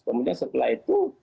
kemudian setelah itu